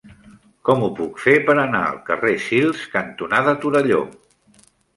Com ho puc fer per anar al carrer Sils cantonada Torelló?